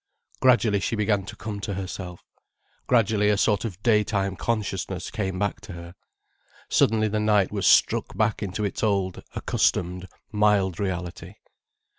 Gradually she began to come to herself. Gradually a sort of daytime consciousness came back to her. Suddenly the night was struck back into its old, accustomed, mild reality.